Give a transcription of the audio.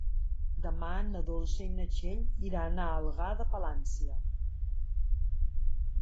Demà na Dolça i na Txell iran a Algar de Palància.